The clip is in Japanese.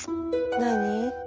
何？